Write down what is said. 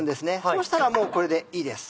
そうしたらもうこれでいいです。